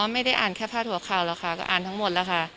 ไม่ได้อ่านแค่พาดหัวข่าวหรอกค่ะก็อ่านทั้งหมดแล้วค่ะ